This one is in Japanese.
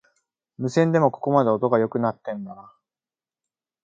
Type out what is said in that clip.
無線でもここまで音が良くなってんだな